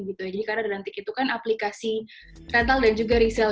jadi karena rentik itu kan aplikasi rental dan juga resell